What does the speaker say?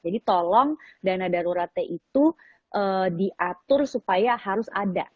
jadi tolong dana daruratnya itu diatur supaya harus ada